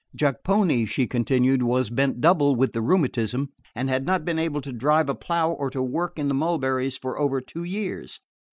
Jacopone, she continued, was bent double with the rheumatism, and had not been able to drive a plough or to work in the mulberries for over two years.